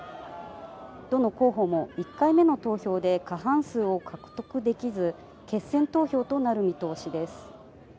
どの候補も１回目の投票で過半数を獲得できず、決選投票となる見通しです。